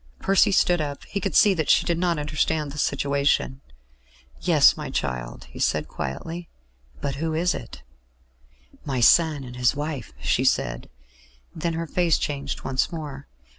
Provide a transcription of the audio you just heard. Percy stood up; he could see that she did not understand the situation. "Yes, my child," he said quietly, "but who is it?" "My son and his wife," she said; then her face changed once more.